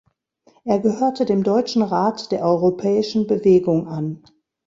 Er gehörte dem Deutschen Rat der Europäischen Bewegung an.